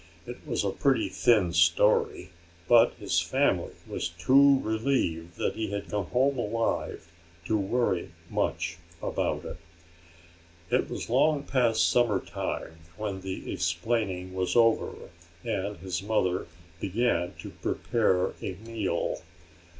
It was a pretty thin story, but his family was too relieved that he had come home alive to worry much about it. It was long past supper time when the explaining was over and his mother began to prepare a meal.